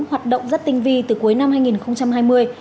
hoạt động rất tinh vi từ cuối năm hai nghìn hai mươi